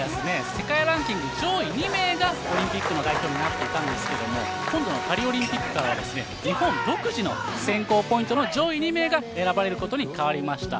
世界ランキング上位２名がオリンピックの代表になっていたんですけれど今度のパリオリンピックからは日本独自の選考ポイントの上位２名が選ばれることに変わりました。